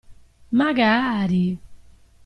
Magari!